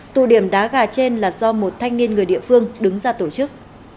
tụ điểm đá gà trên là do một thanh niên người địa phương đứng ra tổ chức